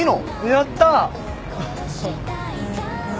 やった！